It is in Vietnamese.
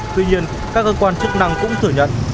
tuy nhiên các cơ quan chức năng cũng thừa nhận